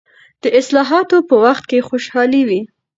د حاصلاتو په وخت کې خوشحالي وي.